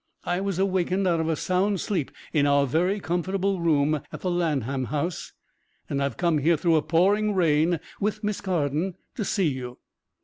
I was awakened out of a sound sleep in our very comfortable room at the Lanham house, and I've come here through a pouring rain with Miss Carden to see you."